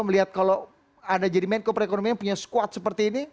melihat kalau anda jadi menko perekonomian punya squad seperti ini